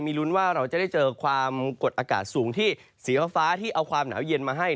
ลุ้นว่าเราจะได้เจอความกดอากาศสูงที่สีฟ้าที่เอาความหนาวเย็นมาให้